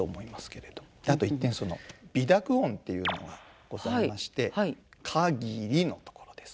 あと一点鼻濁音というのがございまして「かぎり」のところですね。